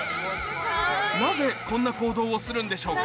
なぜこんな行動をするんでしょうか？